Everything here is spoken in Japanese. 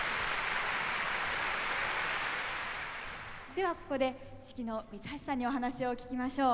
ではここで指揮の三ツ橋さんにお話を聞きましょう。